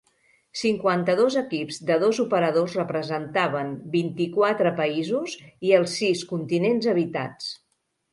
Cinquanta-dos equips de dos operadors representaven vint-i-quatre països i els sis continents habitats.